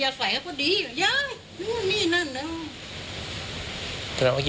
แต่เขากินทุกวันก็ทำงานไปเนี่ยเขาจะจิบ